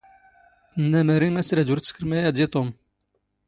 ⵜⵏⵏⴰ ⵎⴰⵔⵉ ⵎⴰⵙ ⵔⴰⴷ ⵓⵔ ⵜⵙⴽⵔ ⵎⴰⵢⴰⴷ ⵉ ⵜⵓⵎ.